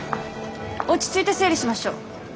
落ち着いて整理しましょう。